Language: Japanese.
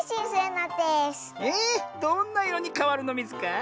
えどんないろにかわるのミズか？